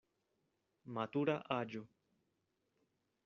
Matura aĝo.